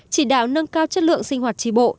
chỉ đạo nâng cao chất lượng sinh hoạt tri bộ